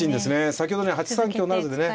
先ほどね８三香不成でね